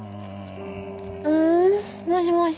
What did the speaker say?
うん？もしもし。